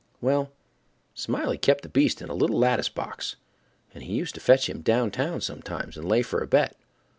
Well, Smiley kep' the beast in a little lattice box, and he used to fetch him downtown sometimes and lay for a bet.